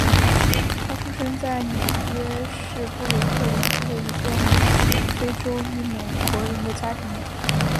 他出生在纽约市布鲁克林区的一个穆斯林非洲裔美国人的家庭里。